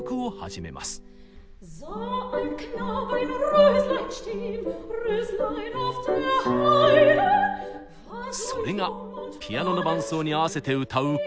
それがピアノの伴奏にあわせて歌う歌曲。